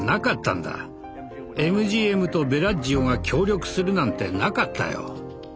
ＭＧＭとベラッジオが協力するなんてなかったよ。